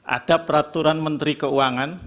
ada peraturan menteri keuangan